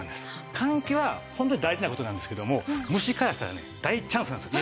換気は本当に大事な事なんですけども虫からしたらね大チャンスなんですよ